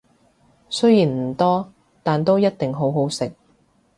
雖然唔多，但都一定好好食